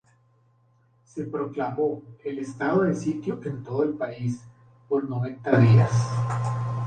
Se proclamó el estado de sitio en todo el país, por noventa días.